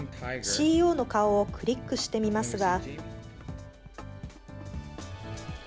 ＣＥＯの顔をクリックしてみますが。